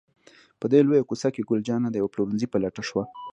په دې لویه کوڅه کې، ګل جانه د یوه پلورنځي په لټه شوه.